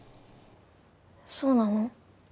そうなの？